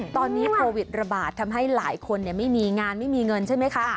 ตอนนี้โควิดระบาดทำให้หลายคนไม่มีงานไม่มีเงินใช่ไหมคะ